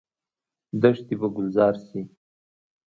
دښتې به ګلزار شي؟